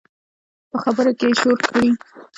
په خبرو کې یې شور کړي